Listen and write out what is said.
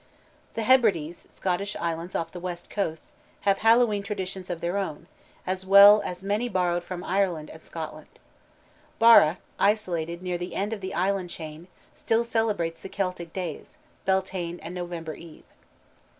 The Hebrides, Scottish islands off the western coast, have Hallowe'en traditions of their own, as well as many borrowed from Ireland and Scotland. Barra, isolated near the end of the island chain, still celebrates the Celtic days, Beltaine and November Eve.